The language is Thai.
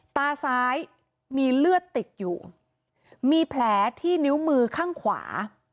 ตาซ้ายมีเลือดติดอยู่มีแผลที่นิ้วมือข้างขวา